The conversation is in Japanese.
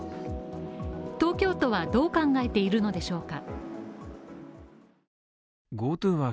東京都はどう考えているのでしょうか？